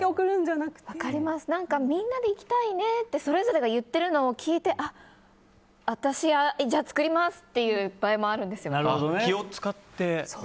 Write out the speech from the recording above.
みんなで行きたいねってみんながそれぞれ言ってるのを聞いてあ、私、じゃ、作りますって場合もあるんですよ。